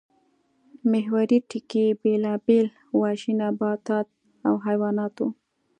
محوري ټکی یې بېلابېل وحشي نباتات او حیوانات وو